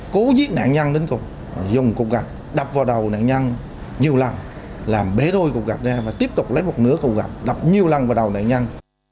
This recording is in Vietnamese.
cố giết nạn nhân đến cục dùng cục gạch đập vào đầu nạn nhân nhiều lần làm bế đôi cục gạch ra và tiếp tục lấy một nửa cục gạch đập nhiều lần vào đầu nạn nhân